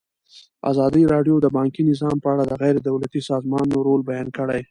ازادي راډیو د بانکي نظام په اړه د غیر دولتي سازمانونو رول بیان کړی.